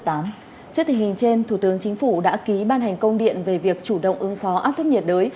trước tình hình trên thủ tướng chính phủ đã ký ban hành công điện về việc chủ động ứng phó áp thấp nhiệt đới